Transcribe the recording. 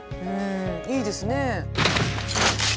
うんいいですね。